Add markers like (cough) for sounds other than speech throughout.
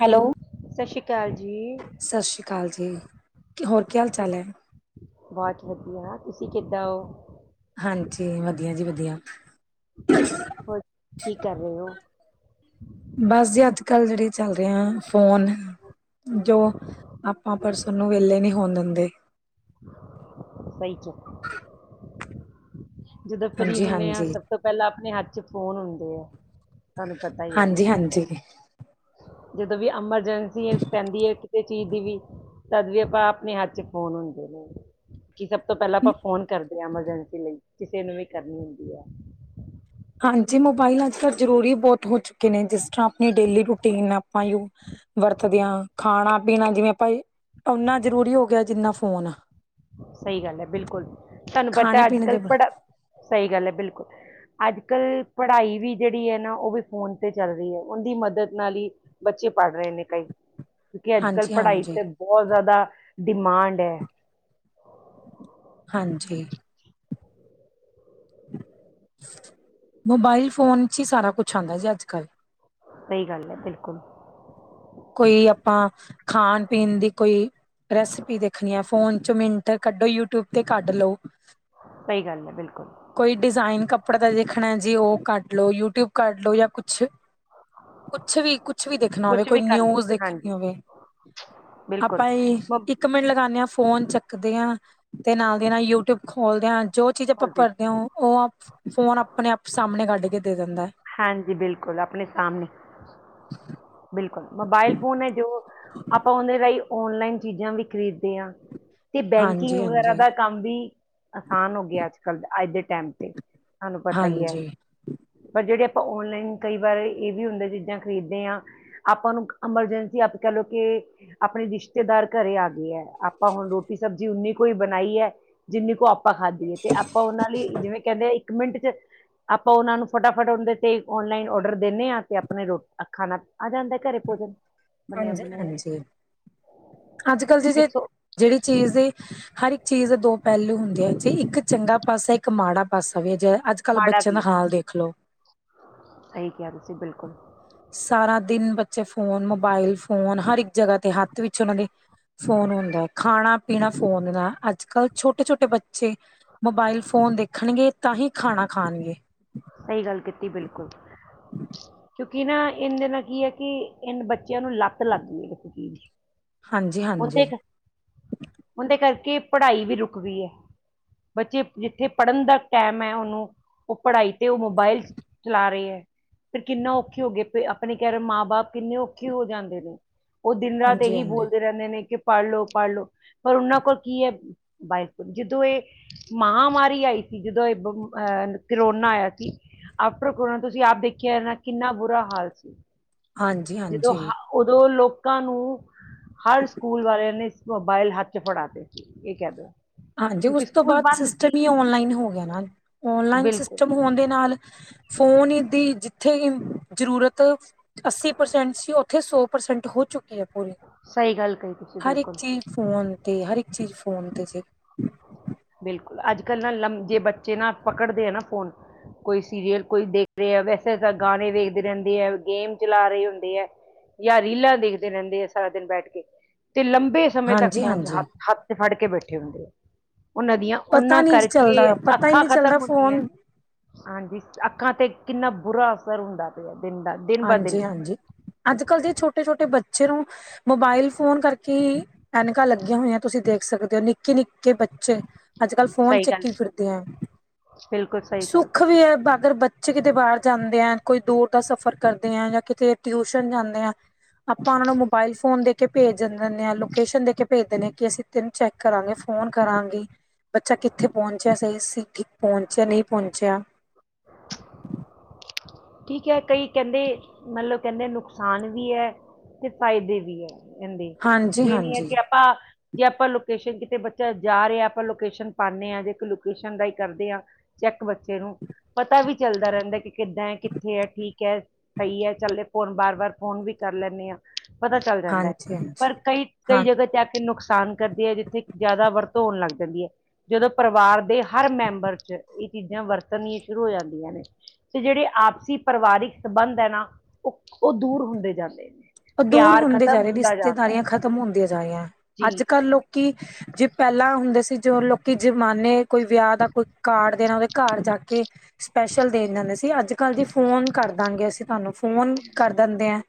Hello ਸਤਿ ਸ੍ਰੀ ਅਕਾਲ ਜੀ। ਸਤਿ ਸ਼੍ਰੀ ਅਕਾਲ ਜੀ ਕੀ ਹੋਰ ਕੀ ਹਾਲ ਚਾਲ ਐ। ਬੋਤ ਵਧੀਆ ਤੁਸੀਂ ਕਿੱਦਾਂ ਓ। ਹਾਂਜੀ ਵਧੀਆ ਜੀ ਵਧੀਆ ਹੋਰ ਕੀ ਕਰ ਰਏ ਓ। ਬਸ ਜੀ ਅੱਜ ਕੱਲ ਜੇੜੇ ਚੱਲ ਰਏ ਆਂ ਫੋਨ ਜੋ ਆਪਾਂ ਪਰਸ ਤੁਨੂੰ ਵੇਲੇ ਨੀ ਹੋਣ ਦਿੰਦੇ। ਸਈ 'ਚ ਜਦੋਂ ਫਰੀ ਹਾਂਜੀ ਹੁੰਨੇ ਆਂ ਹਾਂਜੀ ਸਭ ਤੋਂ ਪੈਲਾਂ ਆਪਣੇ ਹੱਥ 'ਚ ਫੋਨ ਹੁੰਦੇ ਆ। ਤੁਹਾਨੂੰ ਪਤਾ ਹੀ ਹੈ ਹਾਂਜੀ-ਹਾਂਜੀ ਜਦੋਂ ਵੀ ਐਮਰਜੈਂਸੀ ਪੈਂਦੀ ਐ ਕਿਸੇ ਚੀਜ਼ ਦੀ ਵੀ ਤਦ ਵੀ ਆਪਾਂ ਆਪਣੇ ਹੱਥ 'ਚ ਫੋਨ ਹੁੰਦੇ ਨੇ। ਕਿ ਸਭ ਤੋਂ ਪੈਲਾਂ ਆਪਾਂ ਫੋਨ ਕਰਦੇ ਐਮਰਜੈਂਸੀ ਕਿਸੇ ਨੂੰ ਵੀ ਕਰਨੀ ਹੁੰਦੀ ਆ। ਹਾਂਜੀ ਮੋਬਾਇਲ ਅੱਜ ਕੱਲ ਜ਼ਰੂਰੀ ਬੋਤ ਹੋ ਚੁੱਕੇ ਨੇ ਜਿਸ ਤਰ੍ਹਾਂ ਆਪਣੀ ਡੇਲੀ ਰੂਟੀਨ ਆਪਾਂ ਯੂ ਵਰਤਦਿਆਂ ਖਾਣਾ ਪੀਣਾ ਜਿਵੇਂ ਆਪਾਂ ਓਨਾ ਜ਼ਰੂਰੀ ਹੋ ਗਿਆ ਜਿੰਨਾ ਫੋਨ ਆ। ਸਈ ਗੱਲ ਐ ਬਿਲਕੁਲ ਤੁਹਾਨੂੰ ਖਾਣੇ ਪਤਾ ਅੱਜ ਪੀਣੇ ਕੱਲ ਦੇ ਪੜ੍ਹਾ ਸਈ ਗੱਲ ਐ ਬਿਲਕੁਲ ਅੱਜ ਕੱਲ ਪੜ੍ਹਾਈ ਵੀ ਜੇੜੀ ਐ ਨਾ ਓ ਵੀ ਫੋਨ ਤੇ ਚੱਲ ਰਈ ਐ ਉਦੀ ਮਦਦ ਨਾਲ ਈ ਬੱਚੇ ਪੜ੍ਹ ਰਏ ਨੇ ਕਈ ਕਿਉਂਕਿ ਅੱਜ ਕੱਲ ਹਾਂਜੀ ਪੜ੍ਹਾਈ ਹਾਂਜੀ ਤੇ ਬੋਤ ਜਾਦਾ ਡਿਮਾਂਡ ਐ। ਹਾਂਜੀ ਮੋਬਾਇਲ ਫੋਨ 'ਚ ਹੀ ਸਾਰਾ ਕੁਛ ਆਂਦਾ ਜੇ ਅੱਜ ਕਲ ਸਈ ਗੱਲ ਏ ਬਿਲਕੁਲ ਕੋਈ ਆਪਾਂ ਖਾਣ ਪੀਣ ਦੀ ਕੋਈ ਰੈਸਪੀ ਦੇਖਣੀ ਆ ਫੋਨ 'ਚ ਮਿੰਟ ਕੱਢੋ ਯੂਟਿਊਬ ਤੇ ਕੱਢ ਲੋ। ਸਈ ਗੱਲ ਏ ਬਿਲਕੁਲ ਕੋਈ ਡਿਜ਼ਾਇਨ ਕੱਪੜੇ ਦੇਖਣਾ ਜੀ ਓ ਕੱਢ ਲਓ ਯੂਟਿਊਬ ਕਢ ਲਓ ਜਾਂ ਕੁਛ ਕੁਛ ਵੀ ਕੁਛ ਵੀ ਦੇਖਣਾ ਹੋਵੇ। ਕੁਛ ਕੋਈ ਵੀ ਕਰ ਲਓ ਨਿਊਜ਼ ਦੇਖਣੀ ਹਾਂਜੀ ਹੋਵੇ ਬਿਲਕੁਲ ਆਪਾਂ ਏ ਇੱਕ ਮ- ਇਕ ਮਿੰਟ ਲਗਾਂਦੇ ਆਂ ਫੋਨ ਚੱਕਦੇ ਆਂ ਤੇ ਨਾਲ ਦੀ ਨਾਲ ਯੂਟਿਊਬ ਖੋਲਦਿਆਂ ਜੋ ਚੀਜ਼ ਆਪਾਂ ਖੁਦ ਹੀ। ਭਰਦੇ ਹੋ ਓ ਆਪ ਫੋਨ ਆਪਣੇ ਆਪ ਸਾਹਮਣੇ ਕੱਢ ਕੇ ਦੇ ਦਿੰਦਾ ਐ। ਹਾਂਜੀ ਬਿਲਕੁਲ ਆਪਣੇ ਸਾਹਮਣੇ ਬਿਲਕੁਲ ਮੋਬਾਇਲ ਫੋਨ ਹੈ ਜੋ ਆਪਾਂ ਉਦੇ ਰਾਈਂ ਔਨਲਾਈਨ ਚੀਜ਼ਾਂ ਵੀ ਖ਼ਰੀਦਦੇ ਆਂ। ਤੇ ਬੈਂਕਿੰਗ ਹਾਂਜੀ ਵਗੈਰਾ ਹਾਂਜੀ ਦਾ ਕੰਮ ਵੀ ਆਸਾਨ ਹੋ ਗਿਆ ਅੱਜ ਕੱਲ ਅੱਜ ਦੇ ਟੈਮ ਤੇ ਤੁਹਾਨੂੰ ਪਤਾ ਈ ਏ। ਹਾਂਜੀ ਪਰ ਜੇੜੇ ਆਪਾਂ ਔਨਲਾਈਨ ਕਈ ਵਾਰ ਏ ਵੀ ਹੁੰਦੇ ਚੀਜ਼ਾਂ ਖਰੀਦਦੇ ਆਂ। ਆਪਾਂ ਨੂੰ ਐਮਰਜੈਂਸੀ ਆਪ ਕੈ ਲਓ ਕਿ ਆਪਣੇ ਰਿਸ਼ਤੇਦਾਰ ਘਰੇ ਆ ਗਏ ਹੈ ਆਪਾਂ ਹੁਣ ਰੋਟੀ-ਸਬਜ਼ੀ ਉਨੀ ਕੋਈ ਬਣਾਈ ਹੈ। ਜਿੰਨੀ ਕੁ ਆਪਾਂ ਖਾਧੀਏ। ਤੇ ਆਪਾਂ ਉਹਨਾਂ ਲਈ ਜਿਵੇਂ ਕਹਿੰਦੇ ਇੱਕ ਮਿੰਟ ਚ ਆਪਾਂ ਉਹਨਾਂ ਨੂੰ ਫਟਾਫਟ ਉਂਦੇ ਤੇ ਔਨਲਾਈਨ ਔਡਰ ਦਿੰਦੇ ਹਾਂ ਤੇ ਆਪਣੇ ਰੋ ਅੱਖਾਂ ਨਾਲ ਆਦਾ ਘਟੇ ਘਰ ਪੋਹਚ ਜਾਂ ਹਾਂਜੀ -ਹਾਂਜੀ, ਅੱਜ-ਕਲ ਜੀ ਜੇ ਕਿਸੋ ਜਿਹੜੀ ਚੀਜ਼ ਦੇ ਹਰ ਇੱਕ ਚੀਜ਼ ਦੇ ਦੋ ਪਹਿਲੂ ਹੁੰਦੇ ਆ ਜ ਇੱਕ ਚੰਗਾ ਪਾਸਾ ਇੱਕ ਮਾੜਾ ਪਾਸਾ ਵੀ ਜ ਅੱਜ ਕੱਲ੍ਹ ਮਾੜਾ ਬੱਚਿਆਂ ਦਾ ਕੀ ਹਾਲ ਦੇਖ ਲਓ ਸਹੀ ਕਹਿ ਰੇ ਤੁਸੀਂ ਬਿਲਕੁਲ। ਸਾਰਾ ਦਿਨ ਬੱਚੇ ਫੋਨ, ਮੋਬਾਇਲ ਫੋਨ, ਹਰ ਇੱਕ ਜਗ੍ਹਾ ਤੇ ਹੱਥ ਵਿੱਚ ਉਹਨਾਂ ਦੇ ਫੋਨ ਹੁੰਦਾ, ਖਾਣਾ-ਪੀਣਾ ਫੋਨ ਨਾਲ ਅੱਜ-ਕੱਲ੍ਹ ਛੋਟੇ-ਛੋਟੇ ਬੱਚੇ ਮੋਬਾਇਲ ਫੋਨ ਦੇਖਣਗੇ ਤਾਂ ਹੀ ਖਾਣਾ ਖਾਣਗੇ। ਸਹੀ ਗੱਲ ਕੀਤੀ ਬਿਲਕੁਲ, ਕਿਂ ਕਿ ਨਾ ਇਹਨਦੇ ਨਾਲ ਕੀ ਹੈ ਕਿ ਇਹਨ ਬੱਚਿਆਂ ਨੂੰ ਲੱਤ ਲੱਗ ਗਈਏ ਇੱਸ ਚੀਜ ਦੀ। ਹਾਂਜੀ ਹੁਨ ਦੇ, ਹਾਂਜੀ ਹੁਨ ਦੇ ਕਰਕੇ ਪੜ੍ਹਾਈ ਵੀ ਰੁਕ ਗੀ ਏ। ਬੱਚੇ ਜਿੱਥੇ ਪੜ੍ਹਨ ਦਾ ਟੈਮ ਐ ਉਨੂੰ, ਓ ਪੜ੍ਹਾਈ ਤੇ ਓਹ ਮੋਬਾਇਲ ਚਲਾ ਰੇ ਐ। ਫਿਰ ਕਿੰਨਾ ਔਖੇ ਹੋਗੇ ਪੇ ਅਪਣੇ ਕੈ ਰੇ ਮਾਂ-ਬਾਪ ਕਿੰਨੇ ਔਖੇ ਹੋ ਜਾਂਦੇ ਨੇ। ਓਹ ਦਿਨ-ਰਾਤ ਹਾਂਜੀ ਏਹੀ ਹਾਂਜੀ ਬੋਲਦੇ ਰੈੰਦੇ ਨੇ ਕਿ ਪੜ੍ਹ ਲੋ-ਪੜ੍ਹ ਲੋ, ਪਰ ਉਨਾਂ ਕੋਲ ਕੀ ਐ? ਬਾਈ ਸੋ, ਜਿਦੋਂ ਏ ਮਹਾਂਮਾਰੀ ਆਈ ਸੀ, ਜਿਦੋਂ ਏਹ ਬ ਅਹ ਕਰੋਨਾ ਆਯਾ ਕੀ ਆਫਟਰ ਕਰੋਨਾ ਤੁਸੀਂ ਆਪ ਦੇਖਿਆ ਐਨਾ ਕਿੰਨਾ ਬੁਰਾ ਹਾਲ ਸੀ। ਹਾਂਜੀ ਜਿਦੋਂ ਹਾਂਜੀ ਹਾ ਉਦੋਂ ਲੋਕਾਂ ਨੂੰ ਹਰ ਸਕੂਲ ਵਾਲਿਆਂ ਨੇ ਇਸ ਮੋਬਾਇਲ ਹੱਥ ਚ ਫੜਾਤੇ ਸੀ, ਏਹ ਕੈ ਦੋ। ਹਾਂਜੀ, ਉਸ ਕਿਉਂਕਿ ਤੋਂ ਸਕੂਲ ਬਾਦ ਬੰਦ ਸਿਸਟਮ ਸੀ ਈ ਔਨਲਾਈਨ ਹੋ ਗਿਆ ਨਾ। ਔਨਲਾਈਨ ਬਿਲਕੁਲ ਸਿਸਟਮ ਹੋਣ ਦੇ ਨਾਲ ਫੋਨ ਈ ਦੀ ਜਿੱਥੇ ਈ ਜ਼ਰੂਰਤ ਅੱਸੀ ਪ੍ਰਸੈਂਟ ਸੀ ਓਥੇ ਸੌ ਪ੍ਰਸੈਂਟ ਹੋ ਚੁੱਕੀ ਐ ਪੂਰੀ। ਸਹੀ ਗੱਲ ਕਹੀ ਤੁਸੀਂ ਹਰ ਇੱਕ ਬਿਲਕੁਲ। ਚੀਜ਼ ਫੋਨ ਤੇ ਹਰ ਇੱਕ ਚੀਜ਼ ਫੋਨ ਤੇ ਸੀ। ਬਿਲਕੁਲ ਅੱਜ-ਕੱਲ੍ਹ ਨਾ ਲੰ ਜੇ ਬੱਚੇ ਨਾ ਪਕੜਦੇ ਐ ਨਾ ਫੋਨ ਕੋਈ ਸੀਰੀਅਲ ਕੋਈ ਦੇਖ ਰਿਐ, ਵੈਸੇ ਤਾਂ ਗਾਣੇ ਵੇਖਦੇ ਰੈੰਦੇ ਐ, ਗੇਮ ਚਲਾ ਰਏ ਹੁੰਦੇ ਐ। ਜਾਂ ਰੀਲਾਂ ਦੇਖਦੇ ਰੈੰਦੇ ਐ ਸਾਰਾ ਦਿਨ ਬੈਠ ਕੇ। ਤੇ ਲੰਬੇ ਸਮੇਂ ਤੱਕ ਹਾਂਜੀ ਫੋਨ ਚ ਹਾਂਜੀ ਹੱਥ- ਹੱਥ ਚ ਫੜ ਕੇ ਬੈਠੇ ਹੁੰਦੇ ਐ। ਉਨਾਂ ਦੀਆਂ ਪਤਾ ਓਨਾਂ ਨੀ ਕਰਕੇ ਚੱਲਦਾ ਪਤਾ ਹੀ ਅੱਖਾਂ ਨਹੀਂ ਚੱਲਦਾ ਖਤਮ ਹੁੰਦੀਐਂ। ਫੋਨ ਹਾਂਜੀ, ਅੱਖਾਂ ਤੇ ਕਿੰਨਾ ਬੁਰਾ ਅਸਰ ਹੁੰਦਾ ਪਿਐ ਦਿਨ ਦਾ। ਦਿਨ ਬ ਦਿਨ ਹਾਂਜੀ-ਹਾਂਜੀ, ਅੱਜ-ਕੱਲ੍ਹ ਤੇ ਛੋਟੇ-ਛੋਟੇ ਬੱਚੇ ਨੂੰ ਮੋਬਾਇਲ ਫੋਨ ਕਰਕੇ ਹੀ ਐਨਕਾਂ ਲੱਗੀਆਂ ਹੋਈਐਂ। ਤੁਸੀਂ ਦੇਖ ਸਕਦੇ ਔ, ਨਿਕ ਕਿ ਨਿੱਕੇ-ਨਿੱਕੇ ਬੱਚੇ ਅੱਜ-ਕੱਲ ਫੋਨ ਸਹੀ ਗੱਲ ਚੱਕੀ ਫਿਰਦੇ ਐ। ਬਿਲਕੁਲ ਸਹੀ ਗੱਲ ਕੀਤੀ। ਅਗਰ ਬੱਚੇ ਕਿਤੇ ਬਾਰ ਜਾਂਦੇ ਐਂ, ਕੋਈ ਦੂਰ ਦਾ ਸਫ਼ਰ ਕਰਦੇ ਆਂ, ਯਾ ਕਿਤੇ ਟਿਊਸ਼ਨ ਜਾਂਦੇ ਆਂ ਅਪਾਂ ਓਨਾਂ ਨੂੰ ਮੋਬਾਇਲ ਫੋਨ ਦੇ ਕੇ ਭੇਜ ਜਣ ਦਿੰਣੇ ਆਂ, ਲੋਕੇਸ਼ਨ ਦੇ ਕੇ ਭੇਜ ਦਿਣੇ ਆਂ ਕਿ ਅਸੀਂ ਤੈਨੂੰ ਚੈੱਕ ਕਰਾਂਗੇ, ਫੋਨ ਕਰਾਂਗੀ, ਬੱਚਾ ਕਿੱਥੇ ਪਹੁੰਚਿਆ? ਸਹੀ ਸੀ ਪਹੁੰਚਿਆ ਨਹੀਂ ਪਹੁੰਚਿਆ। ਠੀਕ ਹੈ, ਕਈ ਕੈੰਦੇ ਮਤਲਬ ਕੈੰਦੇ ਨੁਕਸਾਨ ਵੀ ਐ ਤੇ ਫਾਇਦੇ ਵੀ ਐ। ਐੰਦੇ, ਹਾਂਜੀ ਵੀ ਨੀ ਐ ਹਾਂਜੀ ਕਿ ਅਪਾਂ ਜੇ ਅਪਾਂ ਲੋਕੇਸ਼ਨ ਕਿਤੇ ਬੱਚਾ ਜਾ ਰਿਐ, ਅਪਾਂ ਲੋਕੇਸ਼ਨ ਪਾਣੇ ਆਂ ਜੇ ਇੱਕ ਲੋਕੇਸ਼ਨ ਦਾ ਈ ਕਰਦੇ ਆਂ ਚੈੱਕ ਬੱਚੇ ਨੂੰ। ਪਤਾ ਵੀ ਚੱਲਦਾ ਰੈੰਦਾ ਕਿ ਕਿੱਦਾਂ ਐ ਕਿ ਥੇ ਐ ਠੀਕ ਐ ਸਹੀ ਐ, ਚੱਲੇ ਫੋਨ ਬਾਰ-ਬਾਰ ਫੋਨ ਵੀ ਕਰ ਲੈਂਣੇ ਆਂ। ਪਤਾ ਚੱਲ ਜਾਂਦੈ, ਹਾਂਜੀ ਹਾਂਜੀ ਪਰ ਕਈ ਕਈ ਹਾਂ ਜਗ੍ਹਾਹ ਚੈਕ ਤੇ ਨੁਕਸਾਨ ਕਰਦੀ ਐ, ਜਿੱਥੇ ਜੈਦਾ ਵਰਤੋਂ ਹੋਣ ਲੱਗ ਜਾਂਦੀ ਐ। ਜਦੋਂ ਪਰਿਵਾਰ ਦੇ ਹਰ ਮੈਂਬਰ ਚ, ਇਹ ਚੀਜ਼ਾਂ ਵਰਤਣੀਆਂ ਸ਼ੁਰੂ ਹੋ ਜਾਂਦੀਆਂ ਨੇ। ਤੇ ਜੇੜੇ ਆਪਸੀ ਪਰਿਵਾਰਿਕ ਸਬੰਧ ਐ ਨਾ, ਓਹ ਓਹ ਦੂਰ ਹੁੰਦੇ ਜਾਂਦੇ ਨੇ। ਔ ਦੂਰ ਪਿਆਰ ਹੁੰਦੇ ਜਾ ਖਤਮ ਰੇ, ਹੁੰਦਾ ਜਾਂਦਾ ਹੈ ਰਿਸ਼ਤੇਦਾਰੀਆਂ ਖਤਮ ਹੁੰਦੀਆਂ ਜਾ ਰੀ ਐ। ਜੀ ਅੱਜ-ਕੱਲ੍ਹ ਲੋਕ ਕੀ ਜੇ ਪੈਹਲਾਂ ਹੁੰਦੇ ਸੀ, ਜੋ ਲੋਕੀ ਜਮਾਨੇ ਕੋਈ ਵਿਯਾ ਦਾ ਕੋਈ ਕਾਰਡ ਦੇਣਾ ਔਦੇ ਘੱਰ ਜਾ ਕੇ, ਸਪੈਸ਼ਲ ਦੇਣ ਜਾਂਦੇ ਸੀ। ਅੱਜ-ਕੱਲ ਜੀ ਫੋਨ ਕਰਦਾਂਗੇ ਅਸੀਂ ਤੁਆਨੂੰ ਫੋਨ ਕਰ ਦੰਦੇ ਐ।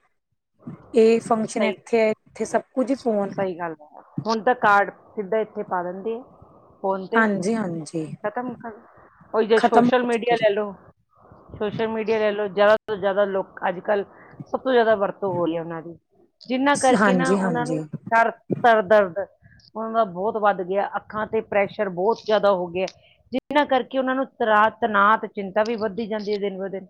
ਏ ਫੰਕਸ਼ਨ ਸਹੀ ਐਥੇ ਐ, ਇੱਥੇ ਸਭ ਕੁਝ ਈ ਫੋਨ ਸਹੀ ਗੱਲ ਹੁਣ ਤਾਂ ਕਾਰਡ ਸਿੱਧਾ ਇੱਥੇ ਪਾ ਦਿੰਦੇ ਐ। ਫੋਨ ਤੇ, ਹਾਂਜੀ ਹਾਂਜੀ ਖਤਮ ਕਰੋ, ਓਈ ਜੇ ਖ਼ਤਮ ਸੋਸ਼ਲ ਹੋ ਮੀਡੀਆ ਚੁੱਕਿਆ ਲੈਲੋ ਸੋਸ਼ਲ ਮੀਡੀਆ ਲੈ ਲੋ, ਜੈਯਾਦਾ ਤੋਂ ਜੈਯਾਦਾ ਲੋਕ ਅੱਜ-ਕੱਲ੍ਹ ਸਭ ਤੋਂ ਜੈਦਾ ਵਰ ਤੋ ਹੋਰੀ ਏ ਓਨਾਂ ਦੀ, ਜਿੱਨਾਂ ਕਰਕੇ ਨਾ ਹਾਂਜੀ ਓਨਾਂ ਹਾਂਜੀ ਨੂੰ ਸਰ ਸਰਦਰਦ ਉਨ੍ਹਾਂ ਦਾ ਬਹੁਤ ਵੱਧ ਗਿਆ, ਅੱਖਾਂ ਤੇ ਪ੍ਰੈਸ਼ਰ ਬਹੁਤ ਜੈਯਾਦਾ ਹੋ ਗਯਾ ਐ। ਜਿੱਨਾ ਕਰਕੇ ਓਨਾਂ ਨੂੰ ਤਰਾ ਤਨਾਤ ਤੇ ਚਿੰਤਾ ਵੀ ਵੱਧਦੀ ਜਾਂਦੀ ਏ ਦਿਨ ਬ ਦਿਨ।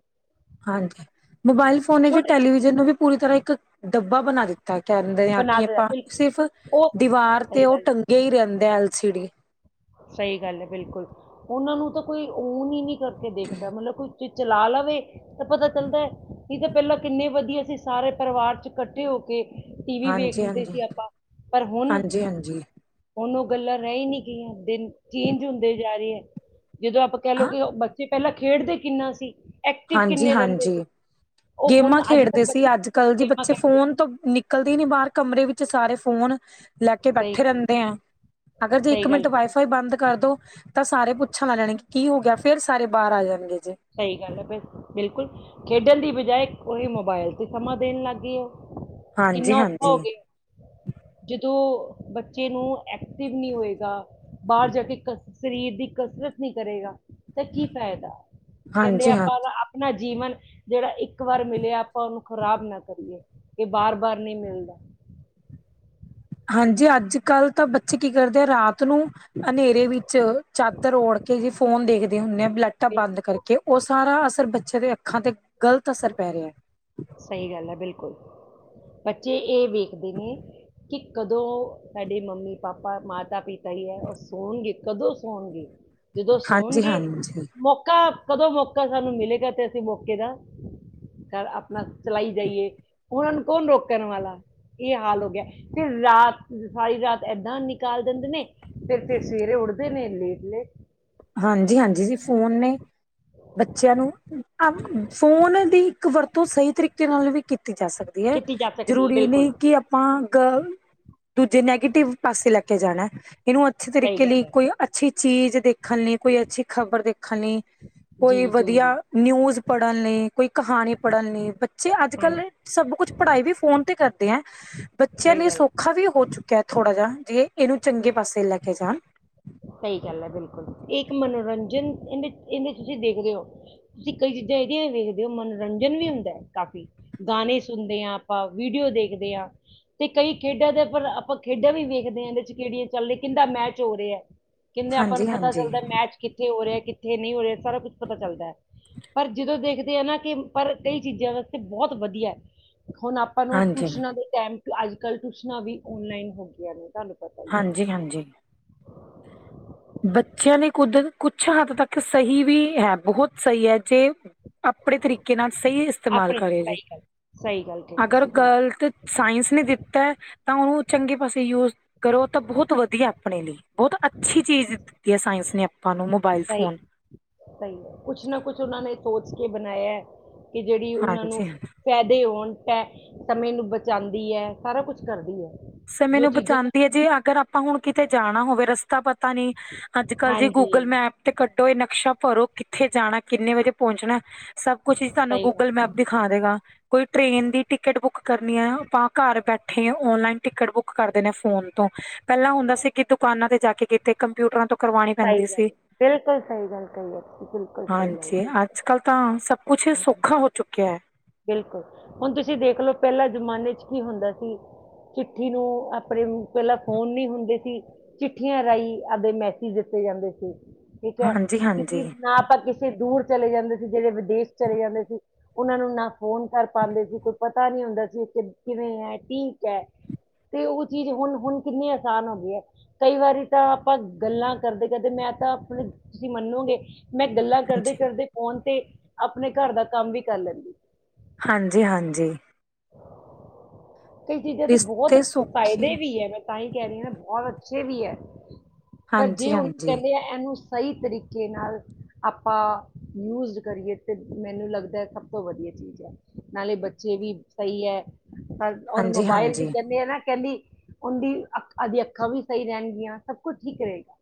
ਹਾਂਜੀ, ਮੋਬਾਇਲ ਫੋਨ ਨੇ ਛੋਟੇ ਟੈਲੀਵਿਜ਼ਨ ਨੂੰ ਵੀ ਪੂਰੀ ਤਰ੍ਹਾਂ ਇੱਕ ਡੱਬਾ ਬਣਾ ਦਿੱਤਾ, ਕੈੰਹਦੇ ਆਂ ਬਣਾ ਕਿ ਦੇ ਅਪਾਂ ਬਿਲਕੁਲ ਸਿਰਫ ਉਹ ਦੀਵਾਰ ਤੇ ਸਹੀ ਓਹ ਗੱਲ ਹੈ ਟੰਗ ਗੇ ਈ ਰੈੰਹਦੇ, ਐਲ ਸੀ ਡੀ। ਸਹੀ ਗੱਲ ਹੈ ਬਿਲਕੁਲ, ਉਹਨਾਂ ਨੂੰ ਤਾਂ ਕੋਈ ਓਨ ਹੀ ਨਹੀਂ ਕਰਕੇ ਦੇਖਦਾ ਮਤਲਬ ਕੋਈ ਜੇ ਚਲਾ ਲਵੇ ਤਾਂ ਪਤਾ ਚੱਲਦਾ, ਨਈ ਤੇ ਪਹਿਲਾਂ ਕਿੰਨੇ ਵਧੀਆ ਸੀ ਸਾਰੇ ਪਰਿਵਾਰ ਚ ਕੱਠੇ ਹੋ ਕੇ ਟੀ ਵੀ ਹਾਂਜੀ ਵੇਖਦੇ ਹਾਂਜੀ ਸੀ ਆਪਾਂ, ਪਰ ਹੁਣ ਹਾਂਜੀ ਹਾਂਜੀ ਹੁਣ ਉਹ ਗੱਲਾਂ ਰਹਿ ਨਹੀਂ ਗਈਆਂ, ਦਿਨ ਚੇਂਜ ਹੁੰਦੇ ਜਾ ਰਹੇ ਹੈ ਜਦੋਂ ਆਪਾਂ ਕਹਿਲਓ, ਹਾਂ ਕਿ ਬੱਚੇ ਪਹਿਲਾਂ ਖੇਡਦੇ ਕਿੰਨਾ ਸੀ ਐਕਟਿਵ ਹਾਂਜੀ ਕਿੰਨੇ ਰਹਿੰਦੇ ਸੀ ਹਾਂਜੀ ਉਹ ਹੁਣ ਗੇਮਾਂ ਅੱਜ ਖੇਡਦੇ ਕੱਲ ਸੀ, ਬੱਚੇ ਅੱਜ ਕੱਲ ਜੀ ਗੇਮਾਂ ਬੱਚੇ ਖੇਡਦੇ ਫੋਨ ਤੋਂ ਨ ਨਿਕਲਦੀ ਨੀ ਬਾਹਰ, ਕਮਰੇ ਵਿੱਚ ਸਾਰੇ ਫੋਨ ਲੈ ਕੇ ਸਹੀ ਬੈਠੇ ਗੱਲ ਹੈ, ਰਹਿੰਦੇ ਆਂ, ਅਗਰ ਜੇ ਇੱਕ ਸਹੀ ਗੱਲ ਮਿੰਟ ਹੈ, ਵਾਈਫਾਈ ਬੰਦ ਕਰਦੋ ਤਾਂ ਸਾਰੇ ਪੁੱਛਣ ਲਗ ਜਾਣੇਗੇ ਕੀ ਹੋ ਗਿਆ, ਫੇਰ ਸਾਰੇ ਬਾਹਰ ਆ ਜਾਣਗੇ ਜੇ ਸਹੀ ਗੱਲ ਹੈ ਬਸ ਬਿਲਕੁਲ ਖੇਡਣ ਦੀ ਬਜਾਏ, ਔਹੀ ਮੋਬਾਇਲ ਤੇ ਸਮਾਂ ਦੇਣ ਲੱਗ ਗਈ ਹੈ ਹਾਂਜੀ ਹਾਂਜੀ ਜਦ ਔ ਬੱਚੇ ਨੂੰ ਐਕਟਿਵ ਨਹੀਂ ਹੋਏਗਾ ਬਾਹਰ ਜਾ ਕੇ ਕ ਸਰੀਰ ਦੀ ਕਸਰਤ ਨਹੀਂ ਕਰੇਗਾ, ਤਾਂ ਕੀ ਫਾਇਦਾ ਕਹਿੰਦੇ ਹਾਂਜੀ ਹਾਂ ਆਪਾਂ ਆਪਣਾ ਜੀਵਨ ਜਿਹੜਾ ਇੱਕ ਵਾਰ ਮਿਲਿਆ, ਆਪਾਂ ਉਹਨੂੰ ਖਰਾਬ ਨਾ ਕਰੀਏ, ਇਹ ਬਾਰ ਬਾਰ ਨਹੀਂ ਮਿਲਦਾ ਹਾਂਜੀ ਅੱਜ ਕੱਲ੍ਹ ਤਾਂ ਬੱਚੇ ਕੀ ਕਰਦੇ ਆ, ਰਾਤ ਨੂੰ ਹਨੇਰੇ ਵਿੱਚ ਚਾਦਰ ਉੜ ਕੇ, ਜੀ ਫੋਨ ਦੇਖਦੇ ਹੁੰਦੇ ਆ ਲਾਈਟਾਂ ਬਿਲ- ਬੰਦ ਕਰਕੇ ਕਿ ਉਹ ਸਾਰਾ ਅਸਰ ਬੱਚੇ ਦੇ ਅੱਖਾਂ ਤੇ ਗ਼ਲਤ ਅਸਰ ਪੈ ਰਿਹਾ ਸਹੀ ਗੱਲ ਹੈ ਬਿਲਕੁਲ, ਬੱਚੇ ਇਹ ਵੇਖਦੇ ਨੇ ਕਿ ਕਦੋਂ ਸਾਡੇ ਮੰਮੀ ਪਾਪਾ, ਮਾਤਾ ਪਿਤਾ ਹੀ ਹੈ ਉਹ ਸੌਣਗੇ ਕਦੋਂ ਸੌਣਗੇ ਜਦੋਂ ਹਾਂਜੀ ਸੋਣਗੇ ਹਾਂਜੀ ਮੌਕਾ ਕਦੋਂ ਮੌਕਾ ਸਾਨੂੰ ਮਿਲੇਗਾ, ਤੇ ਅਸੀਂ ਮੌਕੇ ਦਾ ਘ ਬਸ ਚਲਾਈ ਜਾਈਏ, ਉਹਨਾਂ ਨੂੰ ਕੌਣ ਰੋਕਣ ਵਾਲਾ ਇਹ ਹਾਲ ਹੋ ਗਿਆ, ਫੇਰ ਰਾਤ ਸਾਰੀ ਰਾਤ ਏਦਾਂ ਨਿਕਾਲ ਦਿੰਦੇ ਨੇ ਫੇਰ ਫੇਰ ਸਵੇਰੇ ਉਠਦੇ ਨੇ ਲੇਟ ਲੇਟ ਹਾਂਜੀ ਹਾਂਜੀ ਜੀ ਫੋਨ ਨੇ ਬੱਚਿਆਂ ਨੂੰ ਫੋਨ ਦੀ ਇੱਕ ਵਰਤੋਂ ਸਹੀ ਤਰੀਕੇ ਨਾਲ ਵੀ ਕੀਤੀ ਜਾ ਸਕਦੀ ਕੀਤੀ ਜਾ ਸਕਦੀ ਹੈ ਜਰੂਰੀ ਬਿਲਕੁਲ ਨਹੀਂ ਕਿ ਆਪਾਂ ਗਲ ਦੂਜੇ ਨੈਗੇਟਿਵ ਪਾਸੇ ਲੈ ਕੇ ਜਾਣਾ ਇਹਨੂੰ ਅੱਛੇ ਸਹੀ ਤਰੀਕੇ ਗੱਲ ਲਈ ਹੈ ਕੋਈ ਅੱਛੀ ਚੀਜ਼ ਦੇਖਣ ਲਈ ਕੋਈ ਅੱਛੀ ਖ਼ਬਰ ਦੇਖਣ ਲਈ ਜੀ ਕੋਈ ਜੀ ਵਧੀਆ ਜੀ ਨਿਊਜ਼ ਪੜ੍ਹਨ ਲਈ ਕੋਈ ਕਹਾਣੀ ਪੜ੍ਹਨ ਲਈ ਬੱਚੇ ਅੱਜ ਕੱਲ ਹਾਂਜੀ ਸਭ ਕੁਛ ਪੜ੍ਹਾਈ ਵੀ ਫੋਨ ਤੇ ਕਰਦੇ ਐ ਬੱਚਿਆਂ ਸਹੀ ਲਈ ਗੱਲ ਹੈ ਸੌਖਾ ਵੀ ਹੋ ਚੁੱਕਿਆ ਥੋੜਾ ਜਿਆ ਜੇ ਇਹਨੂੰ ਚੰਗੇ ਪਾਸੇ ਲੈ ਕੇ ਜਾਣ ਸਹੀ ਗੱਲ ਹੈ ਬਿਲਕੁਲ ਇਹ ਇੱਕ ਮਨੋਰੰਜਨ ਇਹਦੇ ਇਹਦੇ ਤੁਸੀਂ ਦੇਖਦੇ ਹੋ ਤੁਸੀਂ ਕਈ ਚੀਜ਼ਾਂ ਇਹਦੀਆਂ ਵੀ ਵੇਖਦੇ ਹੋ ਮਨੋਰੰਜਨ ਵੀ ਹੁੰਦਾ ਹੈ ਕਾਫ਼ੀ ਗਾਣੇ ਸੁਣਦੇ ਹਾਂ ਆਪਾਂ ਵੀਡੀਓ ਦੇਖਦੇ ਆ ਤੇ ਕਈ ਖੇਡਾਂ ਦੇ ਪਰ ਆਪਾਂ ਖੇਡਾਂ ਵੀ ਵੇਖਦੇ ਹਾਂ ਇਹਦੇ ਚ ਕਿਹੜੀਆਂ ਚੱਲ ਰਹੀਆ ਕਿੰਦਾ ਮੈਚ ਹੋ ਰਿਹਾ ਕਹਿੰਦੇ ਆਪਾਂ ਨੂੰ ਪਤਾ ਹਾਂਜੀ-ਹਾਂਜੀ, ਚੱਲਦਾ ਮੈਚ ਕਿੱਥੇ ਹੋ ਰਿਹਾ ਕਿੱਥੇ ਨਹੀਂ ਹੋ ਰਿਹਾ ਸਾਰਾ ਕੁੱਛ ਪਤਾ ਚੱਲਦਾ ਪਰ ਜਦੋਂ ਦੇਖਦੇ ਆ ਨਾ ਕਿ ਪਰ ਕਈ ਚੀਜ਼ਾਂ ਵਾਸਤੇ ਬਹੁਤ ਵਧੀਆ ਹੁਣ ਆਪ ਆਪਾਂ ਨੂੰ ਹਾਂਜੀ, ਟਊਸ਼ਨਾਂ ਦੇ ਟਾਈਮ ਚ ਅੱਜ ਕੱਲ੍ਹ ਟਿਊਸ਼ਨਾਂ ਵੀ ਔਨਲਾਈਨ ਹੋ ਗਈਆਂ ਨੇ ਤੁਹਾਨੂੰ ਪਤਾ ਹੀ ਹੈ ਹਾਂਜੀ ਹਾਂਜੀ ਬੱਚਿਆਂ ਲਈ ਕੁਦ ਕੁਛ ਹੱਦ ਤੱਕ ਸਹੀ ਵੀ ਹੈ ਬਹੁਤ ਸਹੀ ਹੈ ਜੇ ਆਪਣੇ ਤਰੀਕੇ ਨਾਲ ਸਹੀ ਇਸਤੇਮਾਲ ਆਪਣੇ ਕਰੇ ਜੇ ਸਹੀ ਗੱਲ ਸਹੀ ਗੱਲ ਕਹੀ ਅਗਰ ਤੁਸੀਂ ਬਿਲਕੁਲ ਗਲਤ ਸਾਇੰਸ ਨੇ ਦਿੱਤਾ ਤਾਂ ਉਹਨੂੰ ਚੰਗੇ ਪਾਸੇ ਯੂਜ ਕਰੋ ਤਾਂ ਬਹੁਤ ਵਧੀਆ ਆਪਣੇ ਲਈ ਬਹੁਤ ਅੱਛੀ ਚੀਜ਼ ਦਿੱਤੀ ਹੈ ਸਾਇੰਸ ਨੇ ਆਪਾਂ ਨੂੰ ਮੋਬਾਇਲ ਸਹੀ ਫੋਨ ਸਹੀ ਹੈ ਕੁਛ ਨਾ ਕੁਛ ਉਹਨਾਂ ਨੇ ਸੋਚ ਕੇ ਬਣਾਇਆ ਕਿ ਜਿਹੜੀ ਉਹਨਾਂ ਨੂੰ ਹਾਂਜੀ ਫਾਇਦੇ ਹੋਣ ਸਮੇਂ ਨੂੰ ਬਚਾਉਂਦੀ ਹੈ ਸਾਰਾ ਕੁਛ ਕਰਦੀ ਹੈ ਸਮੇਂ ਜੋ ਨੂੰ ਚੀਜ਼ਾਂ ਬਚਾਉਂਦੀ ਹੈ ਜੀ ਅਗਰ ਆਪਾਂ ਹੁਣ ਕਿਤੇ ਜਾਣਾ ਹੋਵੇ ਰਸਤਾ ਪਤਾ ਨੀ ਅੱਜ ਕੱਲ ਜੀ ਹਾਂਜੀ ਗੂਗਲ ਮੈਪ ਤੇ ਕੱਢੋ ਇਹ ਨਕਸ਼ਾ ਭਰੋ ਕਿੱਥੇ ਜਾਣਾ ਕਿੰਨੇ ਵਜੇ ਪਹੁੰਚਣਾ। ਸਭ ਕੁਛ ਹੀ ਸਾਨੂੰ ਸਹੀ ਗੱਲ ਗੂਗਲ ਮੈਪ ਦਿਖਾ ਦੇਏਗਾ ਕੋਈ ਟ੍ਰਰੇਨ ਦੀ ਟਿਕਟ ਬੁੱਕ। ਕਰਨੀਆਂ ਆਪਾਂ ਘਰ ਬੈਠੇ ਔਨਲਾਈਨ। ਟਿਕਟ ਬੁੱਕ ਕਰ ਦਿਨੇ ਫੋਨ ਤੋਂ ਪਹਿਲਾਂ ਹੁੰਦਾ ਸੀ ਕਿ ਦੁਕਾਨਾਂ ਤੇ ਜਾ ਕੇ ਕਿਤੇ ਕੰਪਿਊਟਰਾਂ ਤੋਂ। ਕਰਵਾਉਣੀ ਸਹੀ ਪੈਂਦੀ ਸੀ ਗੱਲ ਬਿਲਕੁਲ ਸਹੀ ਗੱਲ ਕਹੀ ਹੈ ਤੁਸੀਂ ਬਿਲਕੁਲ ਹਾਂਜੀ ਸਹੀ ਅੱਜ ਕੱਲ ਤਾਂ ਸਬ। ਕੁਛ ਗੱਲ ਸੌਖਾ ਹੋ ਚੁੱਕਿਆ ਹੈ। ਬਿਲਕੁਲ ਹੁਣ ਤੁਸੀਂ ਦੇਖ ਲਓ ਪਹਿਲਾਂ ਜ਼ਮਾਨੇ ਚ ਕੀ ਹੁੰਦਾ ਸੀ। ਚਿੱਠੀ ਨੂੰ ਆਪਣੇ ਪਹਿਲਾਂ ਫੋਨ ਨਹੀਂ ਹੁੰਦੇ ਸੀ ਚਿੱਠੀਆਂ ਰਾਹੀਂ ਆਪਦੇ ਮੈ। ਦਿੱਤੇ ਜਾਂਦੇ ਸੀ ਠੀਕ ਹੈ। ਹਾਂਜੀ ਹਾਂਜੀ ਕਿ ਨਾ ਆਪਾਂ ਕਿਸੇ। ਕੇ ਦੂਰ ਚਲੇ ਜਾਂਦੇ ਸੀ ਜਿਹੜੇ ਵਿਦੇਸ਼ ਚਲੇ ਜਾਂਦੇ ਸੀ ਉਹਨਾਂ ਨੂੰ ਨਾ। ਫੋਨ ਕਰ ਪਾਉਂਦੇ ਸੀ ਕੋਈ ਪਤਾ ਨਹੀਂ ਹੁੰਦਾ ਸੀ ਕਿਵੇਂ ਹੈ। ਠੀਕ ਹੈ। ਤੇ ਉਹ ਚੀਜ਼ ਹੁਣ ਹੁਣ ਕਿੰਨੀ ਆਸਾਨ ਹੋ ਗਈ ਹੈ। ਕਈ ਵਾਰੀ ਤਾਂ ਆਪਾਂ। ਗੱਲਾਂ ਕਰਦੇ ਕਰਦੇ ਮੈਂ ਤਾਂ ਆਪਣੇ ਤੁਸੀਂ ਮੰਨੋਗੇ ਮੈਂ ਗੱਲਾਂ ਕਰਦੇ ਹਾਂਜੀ ਕਰਦੇ। ਫੋਨ ਤੇ ਆਪਣੇ ਘਰ ਦਾ ਕੰਮ ਵੀ ਕਰ ਲੈਂਦੀ। ਹਾਂਜੀ ਹਾਂਜੀ। ਕਈ ਚੀਜ਼ਾਂ ਦੇ ਬਹੁਤ ਰਿਸ਼ਤੇ ਸੌਖੇ ਫਾਇਦੇ ਵੀ ਹੈ। ਮੈਂ ਤਾਂ ਹੀ ਕਹਿ ਰਹੀ ਹ ਨਾ ਬਹੁਤ ਅੱਛੇ ਵੀ ਹੈ। ਪਰ ਜੇ ਹਾਂਜੀ ਉਹਨੂੰ ਹਾਂਜੀ ਕਹਿੰਦੇ ਆ ਇਹਨੂੰ ਸਹੀ ਤਰੀਕੇ ਨਾਲ। ਆਪਾਂ ਯੂਜ਼ਡ ਕਰੀਏ ਤਾਂ ਮੈਨੂੰ ਲੱਗਦਾ ਸਭ ਤੋਂ ਵਧੀਆ ਚੀਜ਼ ਹੈ। ਨਾਲੇ ਬੱਚੇ ਵੀ ਸਹੀ ਹੈ ਔਰ ਮੋਬਾਇਲ ਹਾਂਜੀ-ਹਾਂਜੀ, ਵੀ ਕਹਿੰਦੇ ਆ ਨਾ ਕਹਿੰਦੀ। ਉਹਦੀ ਅ ਅੱਖਾਂ ਵੀ ਸਹੀ ਰਹਿਣਗੀਆਂ ਸਭ ਕੁਝ ਠੀਕ ਰਹੇਗਾ।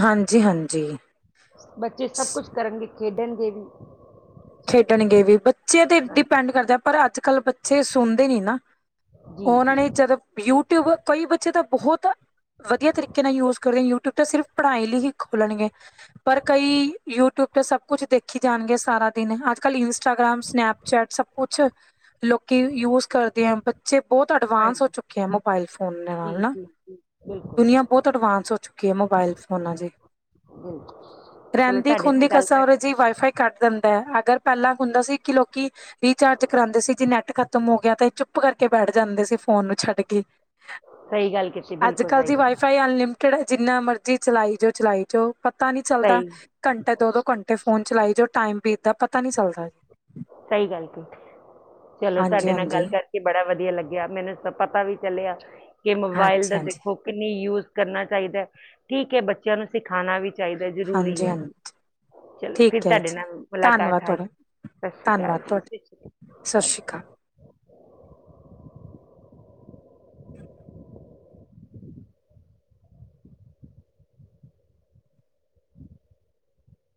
ਹਾਂਜੀ ਹਾਂਜੀ। ਬੱਚੇ ਸਭ ਕੁਛ ਕਰਨਗੇ, ਖੇਡਣਗੇ ਵੀ। ਖੇਡਣਗੇ ਵੀ, ਬੱਚਿਆਂ ਤੇ ਹਾਂਜੀ ਡਿਪੈਂਡ ਕਰਦੇ ਆ ਪਰ ਅੱਜ ਕੱਲ੍ਹ ਬੱਚੇ ਸੁਣਦੇ ਨੀ ਨਾ। ਜੀ ਉਹਨਾਂ ਨੇ ਜੀ ਜਦੋ ਯੂਟਿਊਬ, ਕਈ ਬੱਚੇ ਤਾਂ ਬਹੁਤ, ਵਧੀਆ ਤਰੀਕੇ ਨਾਲ ਯੂਜ ਕਰਦੇ ਯੂਟਿਊਬ ਤਾਂ ਸਿਰਫ ਪੜ੍ਹਾਈ ਲਈ ਹੀ। ਖੋਲਣਗੇ। ਪਰ ਕਈ ਯੂਟਿਊਬ ਤੇ ਸਭ ਕੁਛ ਦੇਖੀ ਜਾਣਗੇ ਸਾਰਾ ਦਿਨ। ਨੇ ਅੱਜ ਕੱਲ੍ਹ ਇੰਸਟਾਗ੍ਰਾਮ, ਸਨੈਪਚੈਟ ਸਭ ਕੁਛ ਲੋਕੀ ਯੂਜ ਕਰਦੇ ਆ। ਬੱਚੇ ਬਹੁਤ ਅਡਵਾਂਸ ਹੋ ਹਾਂਜੀ ਚੁੱਕੇ ਆ ਮੋਬਾਇਲ ਫੋਨ ਦੇ ਨਾਲ ਜੀ ਨਾ, ਜੀ ਜੀ ਦੁਨੀਆਂ ਬਿਲਕੁਲ ਬਹੁਤ ਅਡਵਾਂਸ ਹੋ ਚੁੱਕੀ। ਮੋਬਾਈਲ ਫੋਨਾਂ ਚੋ। ਬਿਲਕੁਲ ਚਲੋ ਰਹਿਨਦੀ ਤੁਹਾਡੇ ਨਾਲ ਖੁਦੀ ਗੱਲ ਕਰ ਕਸਰ ਜ ਵਾਈਫਾਈ ਕੱਢ ਦਿੰਦਾ ਹੈ। ਅਗਰ ਪਹਿਲਾਂ ਹੁੰਦਾ ਸੀ ਕਿ ਲੋਕੀ ਰੀਚਾਰਜ ਕਰਾਉਂਦੇ ਸੀ ਜੀ ਨੈਟ ਖਤਮ ਹੋ ਗਿਆ ਤਾਂ ਇਹ ਚੁੱਪ ਕਰਕੇ ਬੈਠ ਜਾਂਦੇ ਸੀ ਫੋਨ ਨੂੰ ਛੱਡ ਕੇ। ਹ। ਸਹੀ ਗੱਲ ਕੀਤੀ (inaudible) ਅੱਜ ਬਿਲਕੁਲ ਕਲ ਸਹੀ ਦੀ ਗੱਲ ਵਾਈਫਾਈ ਅਨਲਿਮਟਿਡ ਹੈ ਜਿੰਨਾ ਮਰਜੀ ਚਲਾਈ ਜੋ ਚਲਾਈ ਜਾਓ। ਪਤਾ ਨੀ ਚੱਲਦਾ ਸਹੀ ਘੰਟੇ ਦੋ -ਦੋ ਘੰਟੇ ਫੋਨ ਚਲਾਈ ਜੋ ਟਾਈਮ ਬੀਤਦਾ ਪਤਾ ਨੀ ਚੱਲਦਾ। ਸਹੀ ਗੱਲ। ਤੁ ਚਲੋ ਹਾਂਜੀ ਤੁਹਾਡੇ ਨਾਲ ਹਾਂਜੀ ਗੱਲ ਕਰ ਕਿ ਬੜਾ ਵਧੀਆ ਲੱਗਿਆ ਮੈਨੂੰ ਪਤਾ ਵੀ ਚੱਲਿਆ ਕਿ ਮੋਬਾਇਲ ਹਾਂਜੀ ਦਾ ਹਾਂਜੀ ਦੇਖੋ ਕਿੰਨੀ ਯੂਜ ਕਰਨਾ ਚਾਹੀਦਾ ਹੈ। ਠੀਕ ਹੈ ਬੱਚਿਆਂ ਨੂੰ ਸਿਖਾਉਣਾ ਵੀ ਚਾਹੀਦਾ ਜਰੂਰੀ ਹਾਂਜੀ ਹੈ। ਹਾਂਜੀ ਜੀ ਚਲੋ ਫਿਰ ਠੀਕ ਹੈ ਤੁਹਾਡੇ ਜੀ ਨਾਲ ਮੁਲਾਕਾਤ ਧੰਨਵਾਦ ਆ ਕੇ ਤੁਹਾਡਾ ਸਤਿ ਸ਼੍ਰੀ ਅਕਾਲ ਧੰਨਵਾਦ ਜੀ, ਤੁਹਾਡਾ ਸਤਿ ਸ਼੍ਰੀ ਸਤਿ ਸ਼੍ਰੀ ਅਕਾਲ ਅ।